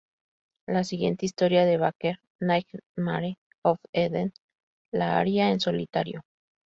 La siguiente historia de Baker, "Nightmare of Eden", la haría en solitario.